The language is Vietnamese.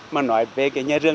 mà nói về cái nhà giường